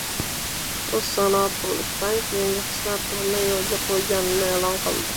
«O‘zsanoatqurilishbank» yangi xizmat turini yo‘lga qo‘yganini e’lon qiladi